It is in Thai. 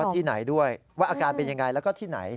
ที่ไหนด้วยว่าอาการเป็นยังไงแล้วก็ที่ไหน